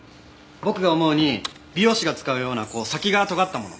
僕が思うに美容師が使うようなこう先がとがったもの。